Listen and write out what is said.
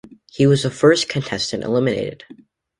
He was the first contestant eliminated.